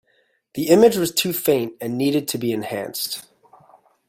The image was too faint and needed to be enhanced.